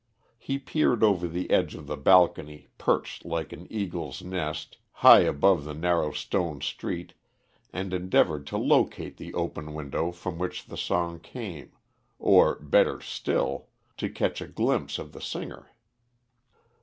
He peered over the edge of the balcony perched like an eagle's nest high above the narrow stone street, and endeavoured to locate the open window from which the song came, or, better still, to catch a glimpse of the singer.